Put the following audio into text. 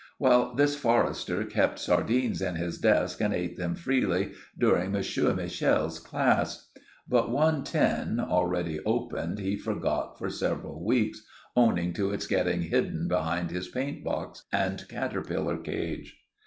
Well, this Forrester kept sardines in his desk and ate them freely during Monsieur Michel's class. But one tin, already opened, he forgot for several weeks, owning to its getting hidden behind his paint box and caterpillar cage.